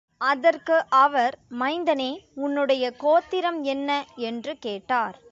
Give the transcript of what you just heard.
அதற்கு அவர், மைந்தனே, உன்னுடைய கோத்திரம் என்ன? என்று கேட்டார்.